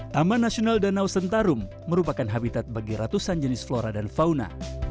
taman nasional danau sentarum merupakan habitat bagi ratusan jenis flora dan fauna